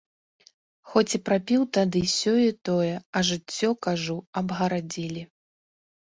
Хоць і прапіў тады сёе-тое, а жыццё, кажу, абгарадзілі.